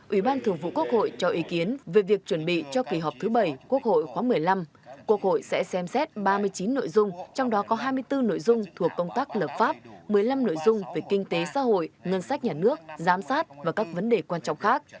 ủy ban thường vụ quốc hội cho ý kiến về việc chuẩn bị cho kỳ họp thứ bảy quốc hội khóa một mươi năm quốc hội sẽ xem xét ba mươi chín nội dung trong đó có hai mươi bốn nội dung thuộc công tác lập pháp một mươi năm nội dung về kinh tế xã hội ngân sách nhà nước giám sát và các vấn đề quan trọng khác